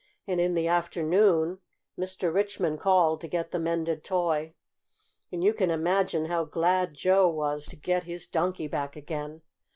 And in the afternoon Mr. Richmond called to get the mended toy. And you can imagine how glad Joe was to get his Donkey back again.